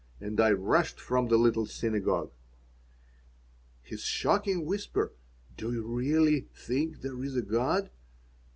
And I rushed from the little synagogue His shocking whisper, "Do you really think there is a God?"